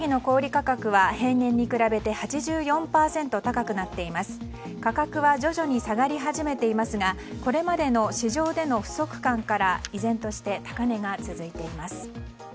価格は徐々に下がり始めていますがこれまでの市場での不足感から依然として高値が続いています。